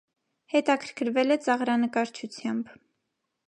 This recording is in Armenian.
Հետաքրքրվել է ծաղրանկարչությամբ։